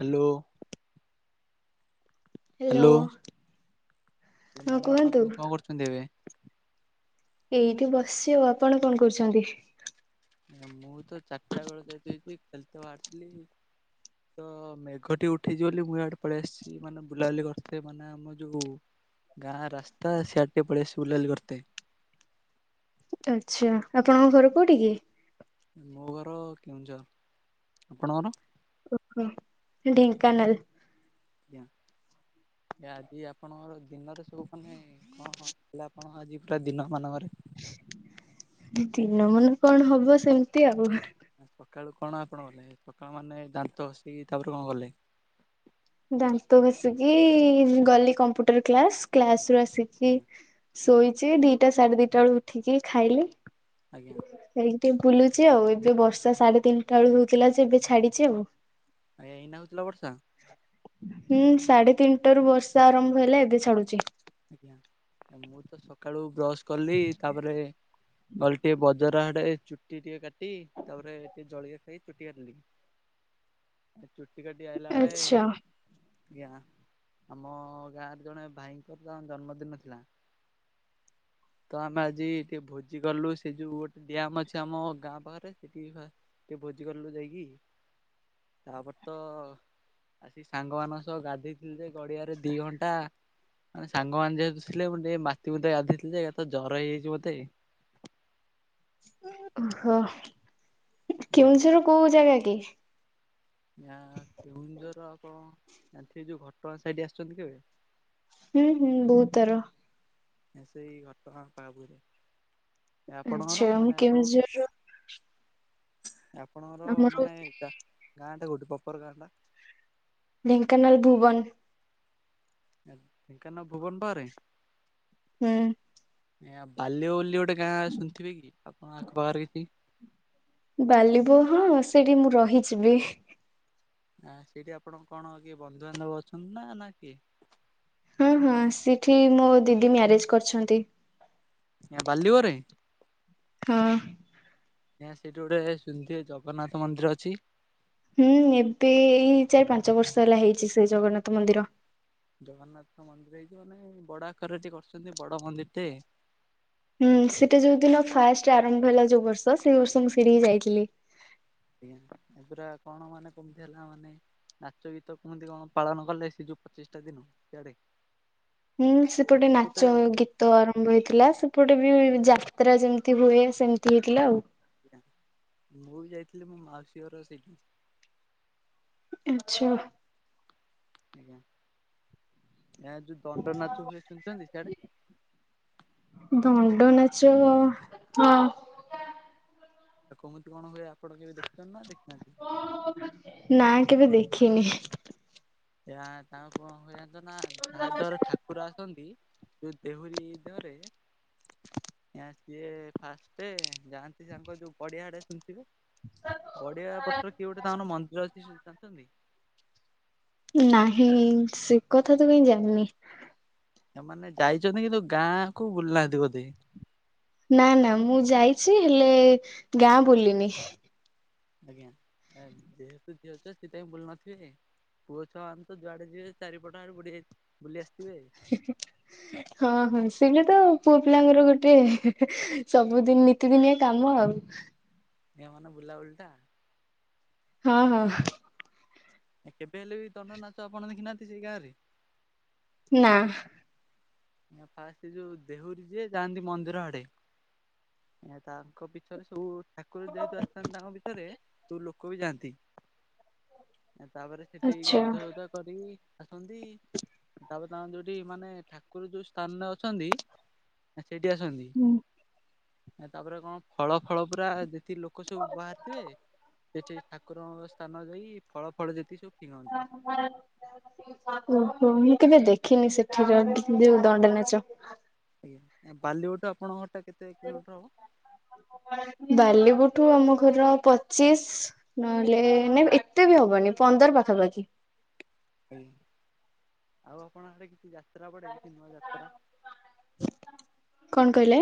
Hello. Hello. ମୁଁ କହିଲି ହଁ ମ୍ୟାଡ଼ାମ କୁହନ୍ତୁ କଣ କରୁଛନ୍ତି ଏବେ? ଏଇଠି ବସିଛି ଆଉ ଆପଣ କଣ କରୁଛନ୍ତି? ମୁଁ ତ ଚାରିଟା ବେଳେ ଯାଇ ଦେଇଛି ଖାଲି ତେ ବାହାରିଥିଲି। ତ ମେଘଟି ଉଠେଇଛି ବୋଲି ମୁଁ ଆଡେ ପଳେଇ ଆସିଛି ମାନେ ବୁଲାବୁଲି କରି ମାନେ ଆମ ଯୋଉ ଗାଁ ରାସ୍ତା ସିଆଟେ ପଳେଇ ଆସିଛି ବୁଲାବୁଲି କରିଥେ। ଆଚ୍ଛା ଆପଣଙ୍କ ଘର କୋଉଠି କି? ମୋ ଘର କେଉଁଝର ଆପଣଙ୍କର? ଓହୋ ଢ଼େଙ୍କାନାଳ। ଆଜ୍ଞା ଆ ଆଜି ଆପଣଙ୍କର ଦିନରେ ସବୁ ମାନେ କଣ ହ ହେଲା, କଣ ଆଜି ପୁରା ଦିନ ମାନଙ୍କରେ। ଦିନ ମାନେ କଣ ହବ ସେମିତି ଆଉ ସକାଳୁ କଣ ଆପଣ କଲେ ସକାଳୁ ମାନେ ଦାନ୍ତ ଘସିକ ତାପରେ କଣ କଲେ? ଦାନ୍ତ ଘଷିକି ଗଲି କମ୍ପ୍ୟୁଟର କ୍ଲାସ କ୍ଲାସ ରୁ ଆସିକି ଆଜ୍ଞା ଶୋଇଛି ଦିଟା ସାଢେ ଦିଟା ବେଳେ ଉଠିକି ଖାଇଲି। ଆଜ୍ଞା। ସେଇ ଟିକେ ବୁଲୁଛିେ ଆଉ ଏବେ ବର୍ଷା ସାଢେ ତିନିଟା ବେଳ ହଉଥିଲା ଯେ ଏବେ ଛାଡିଛି ଆଉ ଅଇନା ହଉଥିଲା ବର୍ଷା। ହୁଁ ସାଢେ ତିନିଟାରୁ ବର୍ଷା ଆରମ୍ଭ ହେଲା ଏବେ ଛାଡୁଛି। ଆଜ୍ଞା ମୁଁ ତ ସକାଳୁ ବ୍ରଶ କଲି ତାପରେ ଗଲି ଟିକେ ବଜାର ଆଡେ ଚୁଟି ଟିକେ କାଟି ତାପରେ ଟିକେ ଜଳଖିଆ ଖାଇ ଚୁଟି କା ଚୁଟି କାଟିି ଆଇଲା ଆଳେ ଆଚ୍ଛା ଆଜ୍ଞା ଆମ ଗାଁରେ ଜଣେ ଭାଇଙ୍କର ଜନ୍ମଦିନ ଥିଲା। ତ ଆମେ ଆଜି ଟିକେ ଭୋଜି କଲୁ ସେ ଯୋଉ ଗୋଟେ ଡ୍ୟାମ ଅଛି ଆମ ଗାଁ ପାଖରେ ସେଠି ଟିକେ ଭୋଜି କଲୁ ଯାଇକି ତାପରେ ତ ଆସିକି ସାଙ୍ଗମାନାନଙ୍କ ସହ ଗାଧୋଇଥିଲେ ଯେ ଗଡିଆରେ ଦି ଘଣ୍ଟା। ମାନେ ସାଙ୍ଗମାନୋନ ଯେହେତୁ ଥିଲେ ଟ ମାତିକୁ ଦେଇ ଗାଧେଇଥିଲେ ଯେ ତ ଜର ହେଇଯାଇଛି ମୋତେ। ଓହୋ ଆଜ୍ଞା। କେଉଁଝର କୋଉ ଜାଗା କି? ନା କେଉଁଝର ଆପଣ ଯୋଉ ଘଟଗା ସାଇଠି ଆସିଛନ୍ତି କେବେ? ହୁଁ ହୁଁ ବହୁତ ଥର। ସେଇ ଘଟ ଗା ପାହାପରେ ଆଚ୍ଛା ଆପଣଙ୍କର ମୁଁ ମାନେ ଆପଣ? କେଉଁଝରରୁ ଆପଣଙ୍କର ଆମର ମାନେ ଗାଁ ଟା କୋଉଠି ପ୍ରପର ଗାଁ ଟା? ଢେଙ୍କାନାଲ ଭୁବନ। ଙ୍କା ଢେଙ୍କାନାଳ ଭୁବନ ପରେ? ହୁଁ। ଆଇାଁ ବାଲ୍ୟୈ ବୋଲି ଗୋଟେ ଗାଁ ଶୁଣିଥିବେ କି? ଆପଣ ଆଖପାଖରେ କିଛି। ବାଲିିବୋ ହଁ, ସେଠି ମୁଁ ରହିଚିବି। ଆ ସେଇଠି ଆପଣଙ୍କ କଣ କିଏ ବନ୍ଧୁବାନ୍ଧବ ଅଛନ୍ତି ନା ନା କିଏ? ହଁ ହଁ ସେଠି ମୋ ଦିଦି ମ୍ୟାରେଜ କରିଛନ୍ତି। ଏ ବାଲିିବୋରେ? ହଁ। ଆଜ୍ଞା ସେଠି ଗୋଟେ ଶୁନଥିବେ ଜଗନ୍ନାଥ ମନ୍ଦିର ଅଛି? ହୁଁ, ଏବେ ଏଇ ଚାରି ପାଞ୍ଚ ବର୍ଷ ହେଲା ହେଇଛି ସେ ଜଗନ୍ନାଥ ହଁ ମନ୍ଦିର। ଜଗନ୍ନାଥ ମନ୍ଦିର ହେଇଛି ମାନେ, ବଡ଼ ଆକାରରେ ଟିକେ କରୁଛନ୍ତି ବଡ଼ ମନ୍ଦିର ଟେ। ହୁଁ, ସେଟା ଯୋଉ ଦିନ ଫାଷ୍ଟ ଆରମ୍ଭ ହେଲା ଯୋଉ ବର୍ଷ, ସେଇ ବର୍ଷ ମୁଁ ସେଇଠିକି ଯାଇଥିଲି। ଆଜ୍ଞା। ଏ ପୁରା କଣ ମାନେ, କେମିତି ହେଲା ମାନେ ନାଚ ଗୀତ କୁମତି କଣ ପାଳନ କଲେ, ସେ ଯୋଉ ପଚିଷ୍ଠା ଦିନ। ସିଆଡେ। ହୁଁ ସେପଟେ ବି ତ ନାଚ, ଯାଇଥିଲି। ଗୀତ ତ ଆରମ୍ଭ ହେଇଥିଲା, ସେପଟେ ବି ଯାତ୍ରା ଯେମିତି ହୁଏ, ସେମିତି ହେଇଥିଲା ଆଉ। ଆଜ୍ଞା। ମୁଁ ବି ଯାଇଥିଲି, ମୋ ମାଉସୀ ଘର ସେଇଠି। ଆଚ୍ଛା। ଆଜ୍ଞା। ଏଆଡେ ଯୋଉ ଦଣ୍ଡ ନାଚ ହୁଏ ଶୁଣିଛନ୍ତି? ସିଆଡେ? ଦଣ୍ଡ ନାଚ ହଁ। ଆଉ କୁମୁତି କଣ ହୁଏ ଆପଣ କେବେ ଦେଖିଛନ୍ତି ନା ଦେଖିନାହାନ୍ତି? ନାଇ କେବେ ଦେଖିନି। ୟା ତାଙ୍କର କଣ ହୁଏ ଜାଣି ଚ ନା, ତାହା ଦ୍ଵାରା ଠାକୁ କୁର ଆସନ୍ତି, ଯୋଉ ଦେହୁରୀ ଦେହରେ ନା ସିଏ ଫାଷ୍ଟେ, ଯାଆନ୍ତି ତାଙ୍କ ଯୋଉ ପଡି଼ଆ ଆଡେ଼ ଶୁଣିଥିବେ? ଗଡିଆ ପତ୍ର କିଏ ଗୋଟେ ତାଙ୍କର ମନ୍ଦିର ଅଛି ସେ ଜାଣିଛନ୍ତି? ନାହିଁ, ସେ କଥା ତ କାହିଁ ଜାଣିନି। ତାମାନେ ଯାଇଛନ୍ତି, କିନ୍ତୁ ଗାଁ କୁ ବୁଲି ନାହାନ୍ତି ବୋଧେ? ନା ନା ମୁଁ ଯାଇଛି, ହେଲେ ଗାଁ ବୁଲିନି। ଆଜ୍ଞା, ଏ ଯେହେତୁ ଝିଅ ଝୁଆ ସେଥିପାଇଁ ବୁଲି ନଥିବେ। ପୁଅ ଛୁଆ ମାନେ ତ ଯୁଆଡ଼େ ଯିବେ, ଚାରିପଟ ଆଡୁ ବୁଡ଼ି ବୁଲି ଆସିଥିବେ। ହୁଁ। ହଁ- ହଁ। ସେଇତ ପୁଅ ପିଲାଙ୍କର ଗୋଟେ ସବୁଦିନ ନିତିଦିନିଆ କାମ ଆଉ। ଏ ମାନେ ବୁଲା, ବୁଲି ଟା। ହଁ ହଁ। କେବେ ହେଲେ ବି ଦଣ୍ଡ ନାଚ ଆପଣ ଦେଖି ନାହାନ୍ତି ସେଇ ଗାଁ ରେ? ନାଁ। ଆ ଫାଷ୍ଟ ଯୋଉ ଦେହୁରୀ ଯିଏ ଯାଆନ୍ତି ମନ୍ଦିର ଆଡେ଼। ଏ ତାଙ୍କ ପିଛରେ ସବୁ ଠାକୁର ଯେହେତୁ ଆସିଥାନ୍ତି ତାଙ୍କ ଭିତରେ, ସବୁ ଲୋକ ବି ଯାଆନ୍ତି। ଆ ତାପରେ ସେଠି ଆଚ୍ଛା ଗାଧୁଆ ପାଧୁଆ କରିିକି ଆସନ୍ତି। ତାପରେ ତାଙ୍କର ଯୋଉଠି ମାନେ ଠାକୁ କୁର ଯୋଉ ସ୍ଥାନରେ ଅଛନ୍ତି, ସେଇଠି ଆସନ୍ତି। ହୁଁ। ତାପରେ କଣ ଫଳ, ଫଳ ପୁରା ଯେତିକି ଲୋକ ସବୁ ବାହାରିଥିବେ‌ ସେଠି ଠାକୁରଙ୍କ ସ୍ଥାନ ଯାଇ ଫଳ, ଫଳ ଯେତି ସବୁ ଫିଙ୍ଗନ୍ତି। ହଁ ହଁ। ଓହୋ ମୁଁ କେବେ ଦେଖିନି ସେଠିର ଯୋଉ ଦଣ୍ଡନାଚ। ଆଜ୍ଞା ବାଲିବୁଟ ଆପଣଙ୍କଟା କେତେ କିଲୋମିଟର ହବ? ବାଲିବୁଠୁ ଆମ ଘର ପଚିଶି ନହେଲେ ନାଇଁ ଏତେ ବି ହବନି ପନ୍ଦର ପାଖାପାଖି। ଆଜ୍ଞା ଆଉ ଆପଣଙ୍କ ଆଡ଼େ କିଛି ଯାତ୍ରା ପଡ଼େ କିଛି ନୂଆ ଯାତ୍ରା? କଣ କହିଲେ?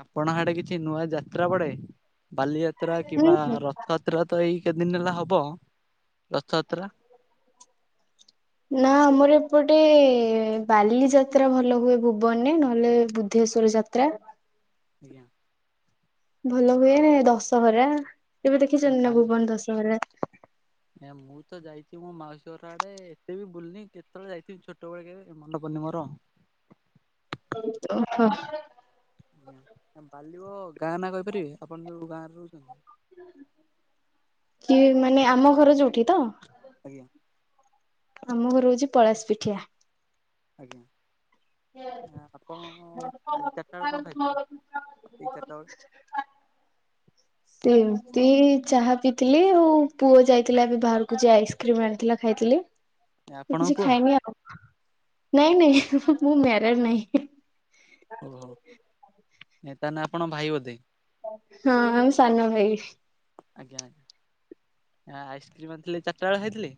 ଆପଣ ଆଡେ଼ କିଛି ନୂଆ ଯାତ୍ରା ପଡ଼େ ବାଲିଯାତ୍ରା ହୁଁ କିମ୍ବା ହୁଁ ରଥ ଯାତ୍ରା ତ ଏଇ କେତେ ଦିନ ହେଲା ହବ ରଥଯାତ୍ରା। ନା ଆମର ଏପଟେ ବାଲି ଯାତ୍ରା ଭଲ ହୁଏ ଭୁବନରେ ନହେଲେ ବ ବୁଦ୍ଦେଶ୍ୱର ଯାତ୍ରା। ଆଜ୍ଞା। ଭଲ ହୁଏ ଦଶହରା, କେବେ ଦେଖିଛନ୍ତି ନା ଭୁବନ ଦଶହରା? ଏ ମୁଁ ତ ଯାଇଛି ମୋ ମାଉସୀ ଘର ଆଡେ଼, ଏତେ ବି ବୁଲନି କେତେବେଳେ ଯାଇଥିଲି। ଛୋଟବେଳେ କେବେ ମନେ ପଡୁନି ମୋର। ଓହୋ। ଆଜ୍ଞା ବାଲିବ ଗାଁ ନାଁ କହିପାରିବେ ଆପଣ ଯୋଉ ଗାଁରେ ରହୁଛନ୍ତି? କି ମାନେ ଆମ ଘର ଯୋଉଠି ତ? ଆଜ୍ଞା। ଆମ ଘରଉଛି ପଳାଶ ପିଠିଆ। ଆଜ୍ଞା। ଆପଣକ ଆଜି ଚାରିଟାଳେ କଣ ଖାଇଥିଲେ? ଏଇ ଚାରିଟାଳେ ସେମିତି ଚାହା ପିଇଥିଲି ଆଉ ପୁଅ ଯାଇଥିଲା ଏବେ ବାହାରକୁ ଯେ ଆଇସ୍କ୍ରିମ ଆଣିଥିଲା ଖାଇଥିଲି। ଉ ଆପଣଙ୍କ କିଛି ପୁଅ ଖାଇନି ଆଉ ନାଇଁ ନାଇଁ ମୁଁ ମ୍ୟାରେ ନାଇଁ। ଓହୋ ନେତାନେ ଆପଣ ଭାଇ ବୋଧେ? ହଁ ହଁ ଆମ ସାନୁ ଭାଇ। ଆଜ୍ଞା ଆ ଆଇସ୍କ୍ରିମ୍ ଆଣିଥିଲେ ଚାର୍ଟାଳେ ଖାଇଥିଲେ?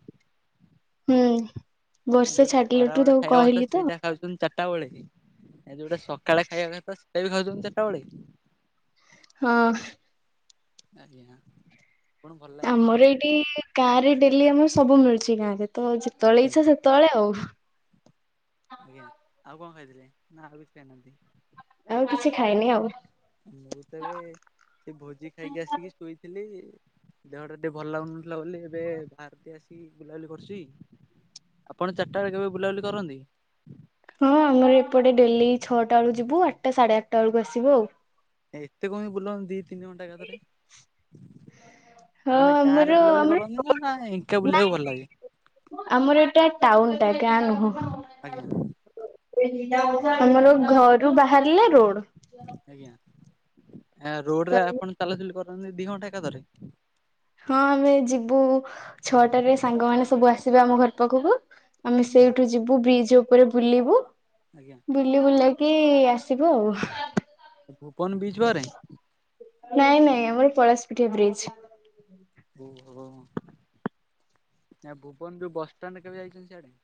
ହୁଁ ବର୍ଷା ଯୋଉଟା ଖରା ଛାଡିଲାଠୁ ବେଳେ ତାକୁ ଖାଇବା କଥା କହିଲି ତ ସେଇଟା ଖାଉଛନ୍ତି ଚାର୍ଟା ବେଳେ ବି ଏଁଯୋଉଟା ସକାଳେ ଖାଇବା କଥା ସେଟା ବି ଖାଉଛନ୍ତି ଚାର୍ଟା ବେଳେ? ହଁ। ଆଜ୍ଞ ହଁ। ଆମର ଏଇଠି ଗାଁ ରେ ଡେଲି ଆମ ସବୁ ମିଳୁଛି ଗାଁ ରେ ତ ଯେତେବେଳେ ଇଚ୍ଛା ସେତେବେଳେ ଆଉ। ଆଜ୍ଞା। ଆଉ କଅଁ ଖାଇଥିଲେ? ନା ଆଉ କିଛି ଖାଇନାହାନ୍ତି। ଆଉ କିଛି ଖାଇନି ଆଉ। ମୁଁ ତ ଏବେ ସେ ଭୋଜି ଖାଇକି ଆସିକି ଶୋଇଥିଲି। ଦେହଟା ଟେ ଭଲ୍ ଲାଗୁନଥିଲା ବୋଲି ଏବେ ବାହାରିକି ଆସି ଇବୁଲାବୁଲି କରୁଛି ଆପଣ ଚାର୍ଟାଳେ କେବେ ବୁଲାବୁଲି କରନ୍ତି? ହଁ ଆମର ଏପଟେ ଡେଲି ଛଅଟାଳୁ ଯିବୁ ଆଟା ସାଢ଼େ ଆଟାଳକୁ ଆସିବୁ ଆଉ। ଏତେ କଅଁ ବୁଲନ୍ତି ଦି ତିନି ଘଣ୍ଟା ଏକଥରେ ହଁ ଆମାନେ ଆମର ଗାଁରେ ବୁଲାବୁଲି ଆମର କରନ୍ତିନା ନା ଏଙ୍କା ନାଇଁ ବୁଲିବାକୁ ଭଲ ଲାଗେ? ନାଇଁ ଆମର ଏଟା ଟାଉନ୍ ଟା ଗାଁ ନୁହଁ। ଆଜ୍ଞା। ଆମର ଘରୁ ବାହାରିଲେ ରୋଡ୍। ଆଜ୍ଞା ତ ଆରୋଡ ରେ ଆପଣ ଚାଲାଚଲି କରନ୍ତି ଦି ଘଣ୍ଟା ଏକାଥରେ? ହଁ ଆମେ ଯିବୁ ଛଅଟାରେ ସାଙ୍ଗମାନେ ସବୁ ଆସିବେ ଆମ ଘର ପାଖକୁ ଆମେ ଆଜ୍ଞା ସେଇଠୁ ଯିବୁ ବ୍ରିଜ୍ ଉପରେ ବୁଲିବୁ। ଆଜ୍ଞା। ବୁଲି ବୁଲାକି ଆସିବୁ ଆଉ। ଭୁପନ୍ ବିଚ୍ ବାହାରେ ନାଇଁ ନାଇଁ ଆମର ପଳାଶପିଠିଆ ବ୍ରିଜ୍ ଓହୋ ନା ଭୁବନରୁ ବସ୍ ଷ୍ଟାଣ୍ଡ କେବେ ଯାଇଛନ୍ତି ସିଆଡେ?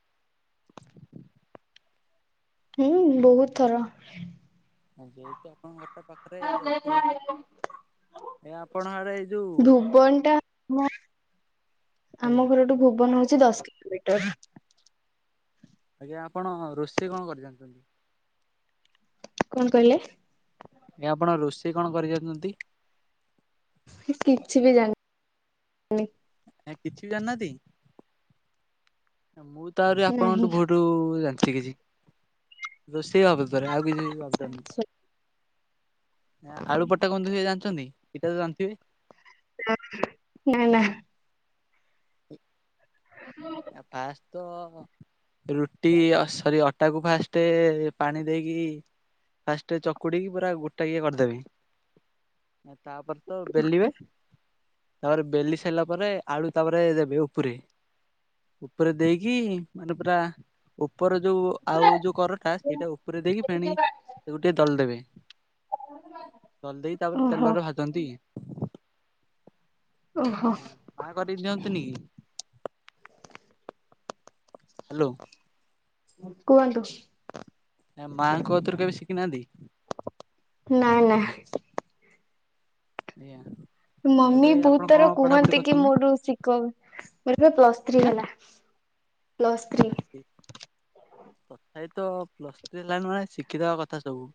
ହୁଁ ବହୁତ୍ ଥର। ହୁଁ ଯେହେତୁ ଆପଣଙ୍କ ଘର ପାଖରେ ଯାଇଥିବେ ବହୁଥର। ଏ ଆପଣ ଆଡେ ଏଇ ଯୋଉ ଭୁବନ ଟା ଆମ ଆଜ୍ଞା ଆମ ଘରଠୁ ଭୁବନ ହଉଛି ଦଶ୍ କିଲୋମିଟର। ଆଜ୍ଞା ଆପଣ ରୋଷେଇ କଣ କରି ଯାଣିଛନ୍ତି? କଣ କହିଲେ? ଏ ଆପଣ ରୋଷେଇ କଣ କରି ଯାଣିଛନ୍ତି? ମୁଁ କିଛି ବି ଜାଣିନି। ଆ କିଛି ଜାଣି ନାହାନ୍ତି। ଆ ମୁଁ ତ ଆହୁରି ନାହିଁ ଆପଣଙ୍କଠୁ ବହୁଟ ଜାଣିଛି କିଛି। ରୋଷେଇ ବାବଦରେ ଆଉ କିଛି ବାବଦ ରେ ନୁହେଁ [unintelligible] ନା ଆଳୁ ପଟା ଗନ୍ଧ ସେ ଜାଣିଛନ୍ତି ସେଇଟା ତ ଜାଣିଥିବେ [unintelligible] ଉଁ ହୁଁ ନା ନା [unintelligible] ଉଁ [unintelligible] [unintelligible] ଆଉ ଫାଷ୍ଟ ତ ରୁଟି ଅସରି ଅଟାକୁ ଫାର୍ଷ୍ଟ ଏତେ ପାଣି ଦେଇକି ଫାଷ୍ଟ ଚକୁଡିକି ପୁରା ଗୋଟାଇକା କରିଦେବି ହଁ ତାପରେ ତ ବେଲିବେ। ତାପରେ ବେଲି ସାରିଲା ପରେ ଆଳୁ ତାପରେ ଦେବେ ଉପୁରେ। ଉପରେ ଦେଇକି ମାନେ ପୁରା ଉପର ଯୋଉ ଆଉ ଯୋଉ କର ଫାର୍ଷ୍ଟ ଏଇଟା ଉପରେ ଦେଇକି ଫେଣି ତାକୁ ଟିକେ ଦଳି ଦେବେ [unintelligible] ଦଳି ଦେଇ ତାପରେ ଓହୋ ତେଲରେ ଭାଜନ୍ତି। [unintelligible] ଓହୋ ମା କତିକି ଦିଅନ୍ତିନି କି? ହାଲୋ କୁହନ୍ତୁ। ଆଉ ମାଆଙ୍କ କତିରୁ କେବେ ଶିଖିନାହାନ୍ତି? ନା ନା ସେଇଆ ମମି ବହୁତ ଥର କୁହନ୍ତି କି ମୋଠୁ ଶିଖ, ମୋର ପ୍ଲଶ୍ ଥ୍ରୀ ଆଜ୍ଞା ହେଲା ପ୍ଲସଥ୍ରୀ ଆଜ୍ଞା ସେ ତଥାପି ତ ପ୍ଲସ୍ ଥ୍ରୀ ହେଲାଣୀ ମାନେ ଶିଖିଦବା କଥା ସବୁ।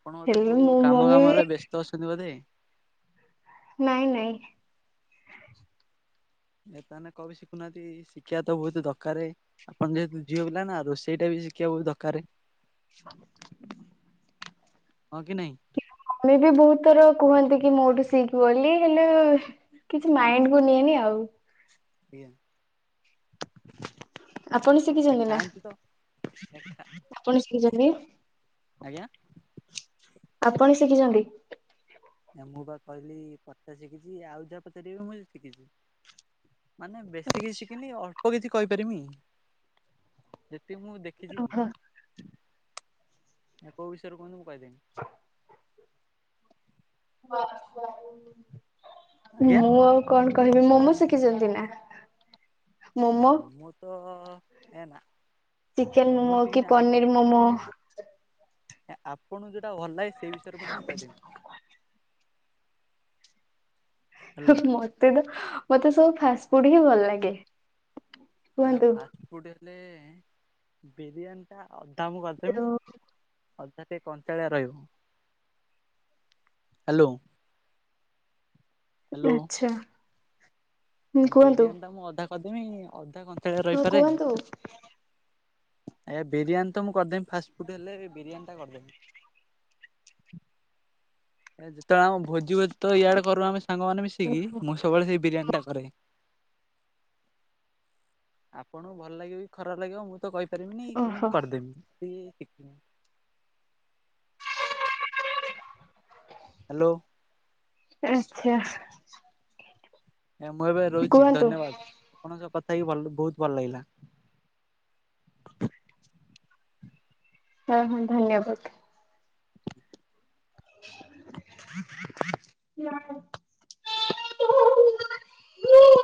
ଆପଣ ବୋଧେ ହେଲେ କୋଉ ମୋ କାମ ମମି ଦାମରେ ବ୍ୟସ୍ତ ଅଛନ୍ତି ବୋଧେ? ନାଇଁ ନାଇଁ। ଏ ତାହେନେ କରି ଶିଖୁନାହାନ୍ତି ଶିଖିବା ତ ବହୁତ ଦରକାର। ଆପଣ ଯେହେତୁ ଝିଅ ପିଲା ନା ରୋଷେଇଟା ବି ଶିଖିବାକୁ ବହୁତୁ ଦରକାର। [inaudible] ହଁ କି ନାଇଁ। ଘରେ ବି ବହୁତ ଥର କୁହନ୍ତି କି ମୋଠୁ ସିକି ବୋଲି ହେଲେ କିଛି ମାଇଣ୍ଡ କୁ ନିଏନି ଆଉ ଆଜ୍ଞା ଆପଣ ଆଜ୍ଞା ଶିଖିଛନ୍ତି ନା? ଖାଆନ୍ତି ତ ଆପଣ ଶିଖିଚନ୍ତି? ଆଜ୍ଞା? ଆପଣ ଶିଖିଚନ୍ତି? ମୁଁ ବା କହିଲି କଟା ଶିଖିଛି। ଆଉ ଯାହା ପଚାରିବେ ମୁଁ ଶିଖିଛି! ମାନେ ବେଶୀ କି ଶିଖିନି, ଅଳ୍ପ କିଛି କହିପାରିମି! ଯେତିକି ମୁଁ ଦେଖିଚି ଓହୋ। ଆଉ କୋଉ ବିଷୟ ରେ କୁହନ୍ତୁ ମୁଁ କହିଦେବି। [unintelligible] ଆଜ୍ଞା ମୁଁ ଆଉ କଣ କହିବି। ମୋମୋ ଶିଖିଛନ୍ତି ନା? ମୋମୋ ତ, ହେ ନା ଚିକେନ ମୋମୋ କି ଶିଖିନି ଆଉ କଣ। ପନିର ମୋମୋ! ଆ ଆପଣ ଯୋଉଟା ଭଲ ଲଗେ ସେଇ ବିଷୟରେ କୁହନ୍ତୁ। ମୁଁ କହିଦେବି! ହଁ ହ୍ୟାଲୋ ମତେ ତ, ମତେ ସବୁ ଫାସଫୁଡ ହିଁ ଭଲ ଲାଗେ! ଆଁ କୁହନ୍ତୁ। ଫାଷ୍ଟ ଫୁଡ଼ ହେଲେ, ବିରିୟାନୀ ଟା ଆଉ ତାହା ମୁଁ କରିଦେମି। ଯୋଉ ଅଧା ଟିକେ କଞ୍ଚାଳିଆ ରହିବ! ହାଲୋ। ଆଛା। ବିରିୟାନୀ ଟା ମୁଁ ଅଧା କରିଦେମି। ଅଧା କଞ୍ଚାଳିଆ ହଁ ରହିପାରେକି? କୁହନ୍ତୁ। ଆରେ ବିରିୟାନୀ ତ ମୁଁ କରିଦେମି। ଫାଷ୍ଟଫୁଡ଼ ହେଲେ ଏ ବିରିୟାନୀ ଟା କରିଦେମି! ଆ ଯେତେବେଳେ ଆମ ଭୋଜି ହୁଏ। ତ ଇଆଡେ କରୁ ଆମେ ସାଙ୍ଗମାନେ ମିଶିକି, ଓହୋ ମୁଁ ସବୁବେଳେ ସେ ବିରିୟାନୀ ଟା କରେ! ଆପଣଙ୍କୁ ଭଲ ଲାଗିବ କି ଖରାପ ଲାଗିବ, ମୁଁ ତ କହିି ପାରିବିନି। କିନ୍ତୁ ଓହୋ ମୁଁ କରିଦେବି! ହାଲୋ। ଆଚ୍ଛା। ଆଜ୍ଞା, ମୁଁ ଏବେ ରହୁଛି, କୁହନ୍ତୁ ଧନ୍ୟବାଦ। ଆପଣଙ୍କ ସହ କଥା ହେଇକି ଭଲ ବହୁତ ଭଲ ଲାଗିଲା। ହ ହଁ ହଁ ଧନ୍ୟବାଦ [unintelligible] ନା